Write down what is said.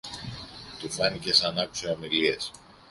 Του φάνηκε σα ν' άκουσε ομιλίες.